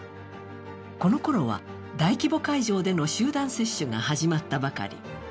このころは、大規模会場での集団接種が始まったばかり。